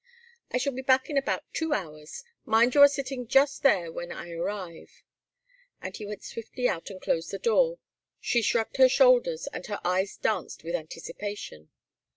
"I shall be back in about two hours. Mind you are sitting just there when I arrive." As he went swiftly out and closed the door, she shrugged her shoulders, and her eyes danced with anticipation.